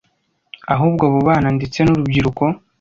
Ahubwo abo bana ndetse n’urubyiruko